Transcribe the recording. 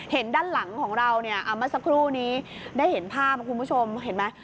ด้านหลังของเราเนี่ยเมื่อสักครู่นี้ได้เห็นภาพคุณผู้ชมเห็นไหม